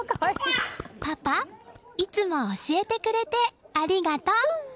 パパ、いつも教えてくれてありがとう。